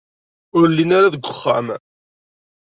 Ur llin ara deg uxxam.